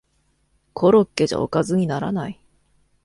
コロッケじゃおかずにならない